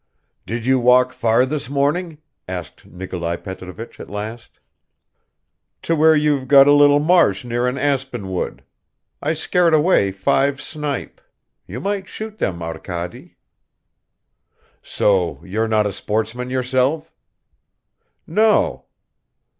"Did you walk far this morning?" asked Nikolai Petrovich at last. "To where you've got a little marsh near an aspen wood. I scared away five snipe. You might shoot them, Arkady." "So you're not a sportsman yourself?" "No."